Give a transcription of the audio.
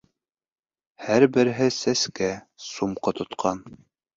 Һәр береһе сәскә, сумка тотҡан.